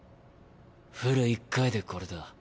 フル１回でこれだ。